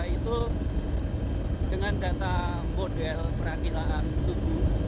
itu dengan data model perakilaan suku